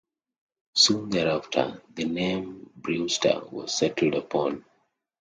Soon thereafter, the name Brewster was settled upon.